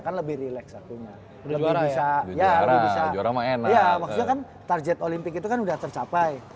kan lebih relax akunya lebih bisa ya juara juara main maksudnya target olympic itu kan udah tercapai